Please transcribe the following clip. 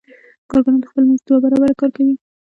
کارګران د خپل مزد دوه برابره کار کوي